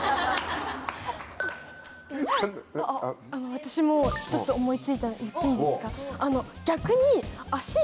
私も一つ思い付いたの言っていいですか？